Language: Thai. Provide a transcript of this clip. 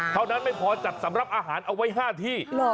เท่านั้นไม่พอจัดสำหรับอาหารเอาไว้๕ที่